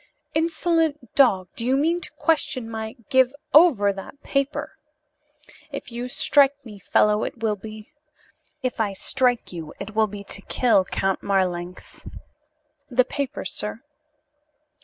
"Insolent dog! Do you mean to question my " "Give over that paper!" "If you strike me, fellow, it will be " "If I strike you it will be to kill, Count Marlanx. The paper, sir."